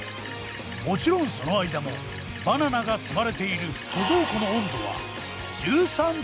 もちろんその間もバナナが積まれている貯蔵庫の温度は１３．５度！